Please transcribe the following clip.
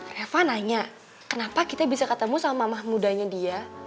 reva nanya kenapa kita bisa ketemu sama mahmudanya dia